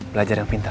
belajar yang pintar